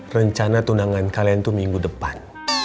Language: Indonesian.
rencana tunangan kalian itu minggu depan